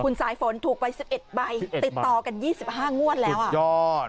คุณสายฝนถูกไป๑๑ใบติดต่อกัน๒๕งวดแล้วอ่ะยอด